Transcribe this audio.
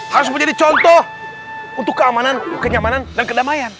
harus menjadi contoh untuk keamanan kenyamanan dan kedamaian